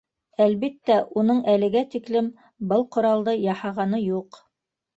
Әлбиттә, уның әлегә тиклем был ҡоралды яһағаны юҡ.